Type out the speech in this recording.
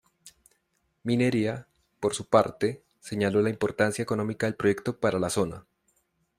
Minería, por su parte, señaló la importancia económica del proyecto para la zona.